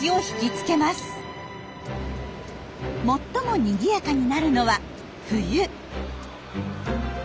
最もにぎやかになるのは冬。